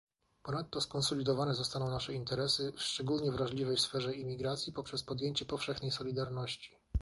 Ponadto skonsolidowane zostaną nasze interesy w szczególnie wrażliwej sferze imigracji, poprzez pojęcie powszechnej solidarności